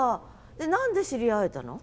何で知り合えたの？